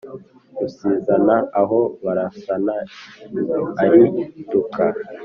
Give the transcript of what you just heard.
Rusizana aho barasana arituka